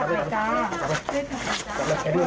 กลับไปกลับไป